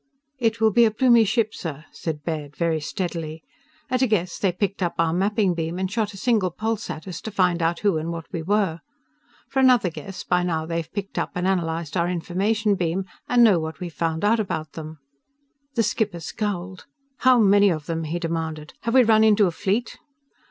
"It will be a Plumie ship, sir," said Baird very steadily. "At a guess, they picked up our mapping beam and shot a single pulse at us to find out who and what we were. For another guess, by now they've picked up and analyzed our information beam and know what we've found out about them." The skipper scowled. "How many of them?" he demanded. "_Have we run into a fleet?